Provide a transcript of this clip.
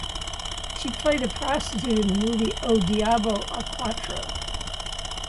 She played a prostitute in the movie "O Diabo a Quatro".